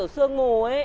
nóng bụi mua mịt như kiểu